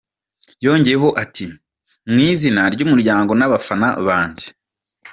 Yongeyeho ati "Mu izina ry’umuryango n’abafana banjye.